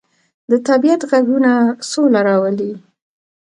د طبیعت غږونه سوله راولي.